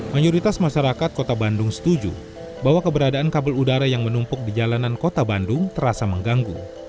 mayoritas masyarakat kota bandung setuju bahwa keberadaan kabel udara yang menumpuk di jalanan kota bandung terasa mengganggu